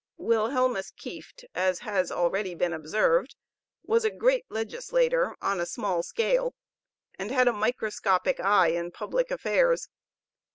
Wilhelmus Kieft, as has already been observed, was a great legislator on a small scale, and had a microscopic eye in public affairs.